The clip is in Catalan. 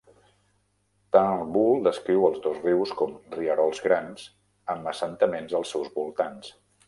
Turnbull descriu els dos rius com "rierols grans" amb assentaments als seus voltants.